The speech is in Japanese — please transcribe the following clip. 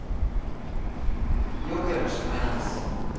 よくやる失敗なんです。